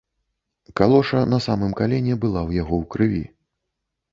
Калоша на самым калене была ў яго ў крыві.